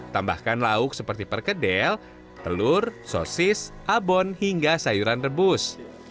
tambahkan lauk seperti perkedel telur sosis abon hingga sayuran rebus